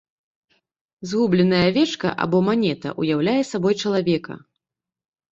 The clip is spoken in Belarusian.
Згубленая авечка або манета ўяўляе сабой чалавека.